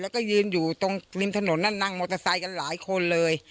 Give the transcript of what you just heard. แล้วก็ยืนอยู่ตรงริมถนนนั่นนั่งมอเตอร์ไซค์กันหลายคนเลย